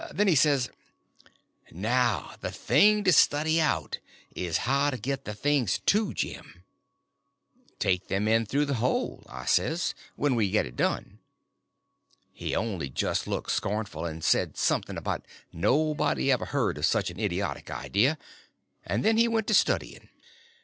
Then he says: "Now, the thing to study out is, how to get the things to Jim." "Take them in through the hole," I says, "when we get it done." He only just looked scornful, and said something about nobody ever heard of such an idiotic idea, and then he went to studying.